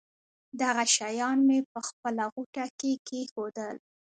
دغه شیان مې په خپله غوټه کې کېښودل.